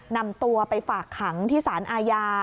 นำตัวไปฝากขังที่สารอาญา